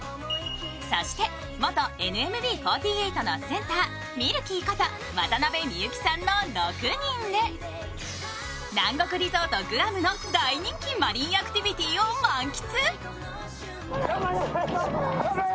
そして元ＮＭＢ４８のみるきーこと渡辺美優紀さんの６人で南国リゾート、グアムの大人気マリンアクティビティーを満喫。